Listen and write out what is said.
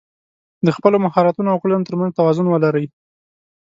د خپلو مهارتونو او کړنو تر منځ توازن ولرئ.